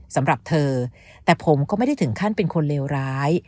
สำหรับเธอแต่ผมก็ไม่ได้ถึงขั้นเป็นคนเลวร้าย